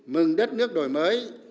mừng đất nước đổi mới